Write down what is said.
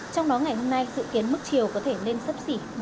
trong đó ngày hôm nay dự kiến mức chiều có thể lên sấp xỉ một m bảy mươi